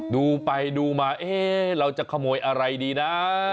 ดูไปดูมาเอ๊ะเราจะขโมยอะไรดีนะ